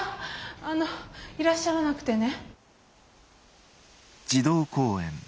あのいらっしゃらなくてね。